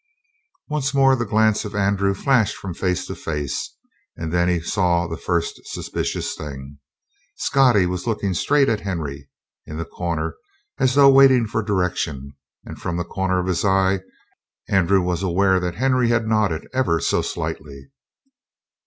Once more the glance of Andrew flashed from face to face, and then he saw the first suspicious thing. Scottie was looking straight at Henry, in the corner, as though waiting for a direction, and, from the corner of his eye, Andrew was aware that Henry had nodded ever so slightly.